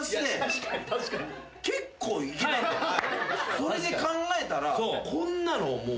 それで考えたらこんなのもう。